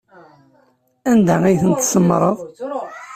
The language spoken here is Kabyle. Anda ay tent-tsemmṛeḍ?